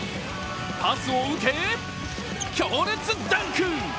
パスを受け、強烈ダンク！